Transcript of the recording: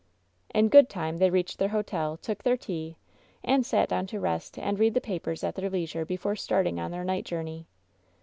In good time they reached their hotel, took their tea, and sat down to rest and read the papers at their leisure before starting on their night journey.